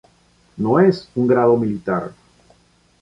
No es un grado militar.